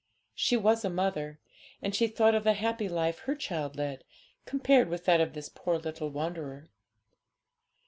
She was a mother, and she thought of the happy life her child led, compared with that of this poor little wanderer.